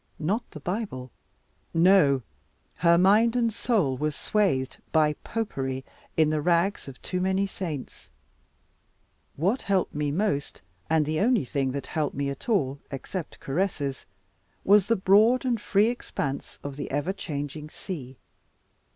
Not the Bible. No, her mind and soul were swathed by Popery in the rags of too many saints. What helped me most, and the only thing that helped me at all, except caresses, was the broad and free expanse of the ever changing sea.